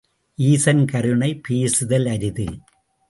ஈசன் கருணை பேசுதல் அரிது.